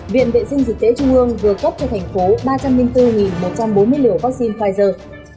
viện vệ sinh dịch tễ trung ương vừa cấp cho thành phố ba trăm linh bốn một trăm bốn mươi liều vaccine pfizer